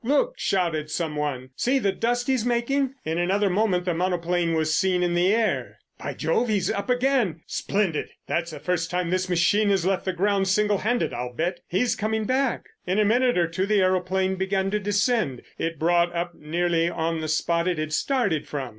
Look!" shouted some one. "See the dust he's making!" In another moment the monoplane was seen in the air. "By Jove, he's up again. Splendid! That's the first time this machine has left the ground single handed, I'll bet. He's coming back." In a minute or two the aeroplane began to descend. It brought up nearly on the spot it had started from.